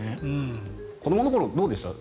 子どもの頃どうでした？